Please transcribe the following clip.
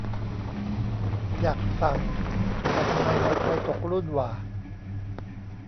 อยากสั่ง แต่ทำไมในไทยตกรุ่นหว่า